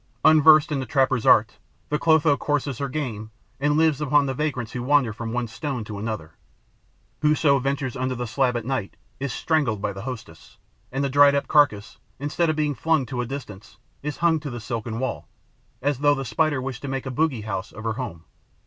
Unversed in the trapper's art, the Clotho courses her game and lives upon the vagrants who wander from one stone to another. Whoso ventures under the slab at night is strangled by the hostess; and the dried up carcass, instead of being flung to a distance, is hung to the silken wall, as though the Spider wished to make a bogey house of her home.